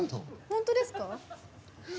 本当ですか？